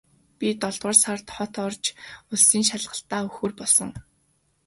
Би долоодугаар сард хот орж улсын шалгалтаа өгөхөөр болсон.